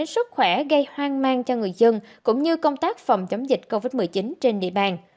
sức khỏe gây hoang mang cho người dân cũng như công tác phòng chống dịch covid một mươi chín trên địa bàn